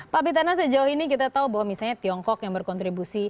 pak pitana sejauh ini kita tahu bahwa misalnya tiongkok yang berkontribusi